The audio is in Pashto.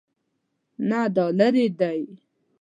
نه، دا لیرې دی